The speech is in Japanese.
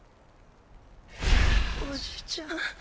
おじちゃん。